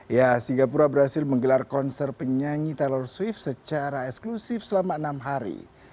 ya singapura berhasil menggelar konser penyanyi telor swift secara eksklusif selama enam hari